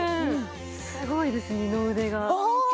すごいです二の腕がああ！